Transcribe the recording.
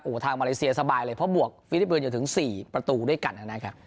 ทางมาเลเซียสบายเลยเพราะบวกฟิลิปปินส์อยู่ถึง๔ประตูด้วยกันนะครับ